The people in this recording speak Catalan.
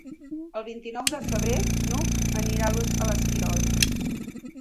El vint-i-nou de febrer n'Hug anirà a l'Esquirol.